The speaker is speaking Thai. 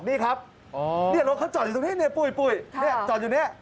นี่ครับรถเขาจอดอยู่ตรงนี้ปุ่ยจอดอยู่นี้